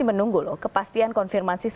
kami akan segera kembali dengan informasi lain